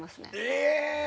え。